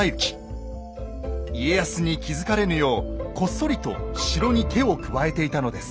家康に気付かれぬようこっそりと城に手を加えていたのです。